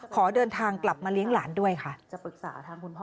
ขอเดินทางกลับมาเลี้ยงหลานด้วยค่ะ